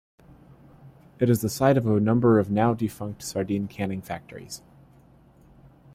It is the site of a number of now-defunct sardine canning factories.